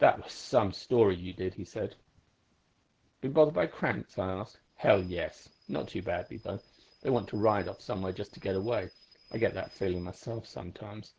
"'That was some story you did,' he said. "'Been bothered by cranks?' I asked. "'Hell, yes! Not too badly, though. They want to ride off somewhere just to get away. I get that feeling myself sometimes.